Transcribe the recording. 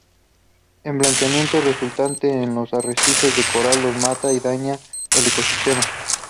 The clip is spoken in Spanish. El blanqueamiento resultante en los arrecifes de coral los mata y daña el ecosistema.